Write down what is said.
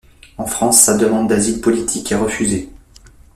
En France sa demande d'asile politique est refusée.